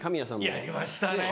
やりましたね。